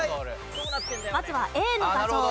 まずはＡの画像。